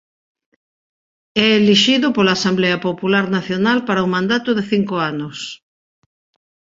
É elixido pola Asemblea Popular Nacional para un mandato de cinco anos.